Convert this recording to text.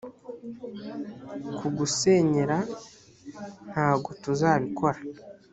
kugusenyera ntagotuzabikora.